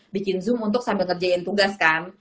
bikin zoom untuk sambil ngerjain tugas kan